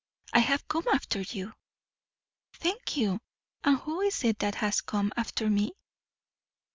"I have come after you." "Thank you. And who is it that has come after me?"